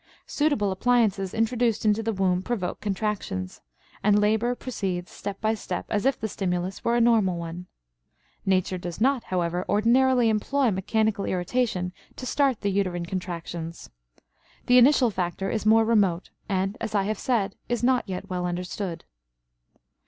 Suitable appliances introduced into the womb provoke contractions, and labor proceeds step by step as if the stimulus were a normal one. Nature does not, however, ordinarily employ mechanical irritation to start the uterine contractions. The initial factor is more remote and, as I have said, is not yet well understood.